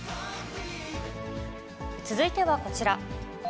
続いてはこちら。